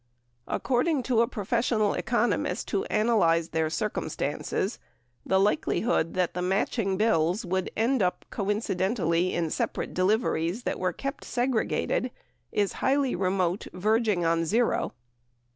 According to a professional economist who analyzed their circumstances, the likelihood that the matching bills would end up coincidentally in separate deliveries that were kept segregated is "highly remote, verging on zero."